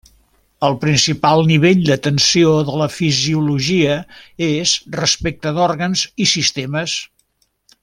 El principal nivell d'atenció de la fisiologia és respecte d'òrgans i sistemes.